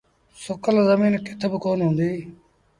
سُڪل زميݩ ڪٿ با ڪونا هُديٚ۔